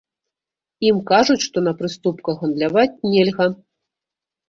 Ім кажуць, што на прыступках гандляваць нельга.